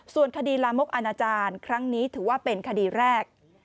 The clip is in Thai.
ส่วนคดีลามกอนาจารย์ครั้งนี้ถือว่าเป็นคดีแรก